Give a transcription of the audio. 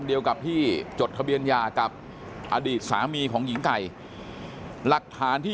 เดียวกับที่จดทะเบียนยากับอดีตสามีของหญิงไก่หลักฐานที่